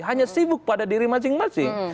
hanya sibuk pada diri masing masing